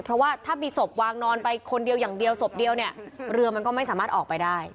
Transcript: เพราะว่าถ้ามีศพวางนอนไปคนเดียวอย่างเดียวศพเดียวเนี่ยเรือมันก็ไม่สามารถออกไปได้